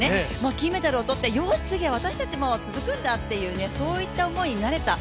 金メダルをとって、よーし、次は私たちも続くんだという思いになれた、